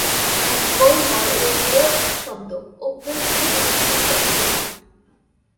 একভল নরওয়েজীয় শব্দ "ওক ভেল" থেকে উদ্ভূত একটি নাম।